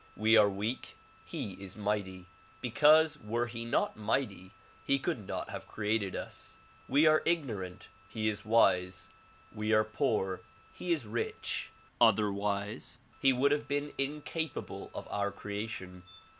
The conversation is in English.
We are weak ; he is mighty ; because were he not mighty he could not have created us. We are ignorant ; he is wise ; we are poor ; he is rich ; otherwise he would have been incap able of our creation.